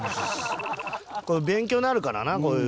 これ勉強になるからなこういう。